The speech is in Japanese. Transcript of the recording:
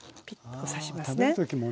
ピッと刺しますね。